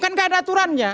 kan tidak ada aturannya